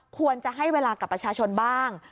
ควรจะให้เวลากับประชาชนบ้าง